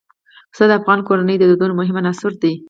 پسه د افغان کورنیو د دودونو مهم عنصر دی.